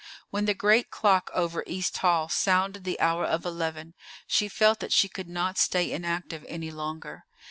When the great clock over East Hall sounded the hour of eleven, she felt that she could not stay inactive any longer.